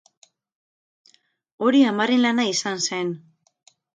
Hori amaren lana izan zen.